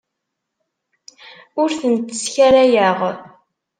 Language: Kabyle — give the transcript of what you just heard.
Ur tent-sskarayeɣ.